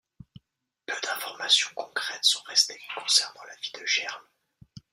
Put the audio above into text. Peu d'information concrètes sont restées concernant la vie de Gerle.